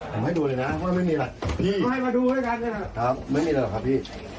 ผมให้ดูเลยนะว่าไม่มีอะไรพี่ไม่มีอะไรค่ะพี่